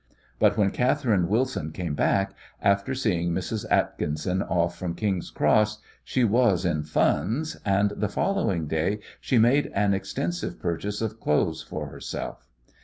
But when Catherine Wilson came back after seeing Mrs. Atkinson off from King's Cross she was in funds, and the following day she made an extensive purchase of clothes for herself.